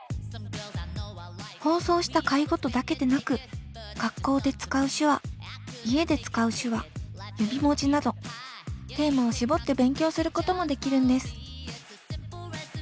放送した回ごとだけでなく学校で使う手話家で使う手話指文字などテーマを絞って勉強することもできるんです。